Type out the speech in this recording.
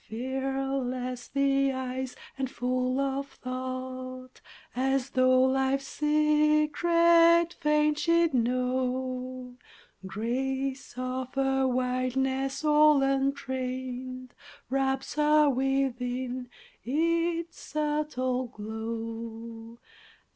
Fearless the eyes, and full of thought, As though Life's secret fain she'd know; Grace, of a wildness all untrained, Wraps her within its subtile glow.